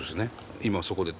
今そこで。